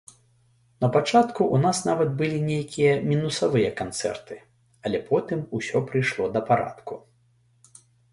Напачатку ў нас нават былі нейкія мінусавыя канцэрты, але потым усё прыйшло да парадку.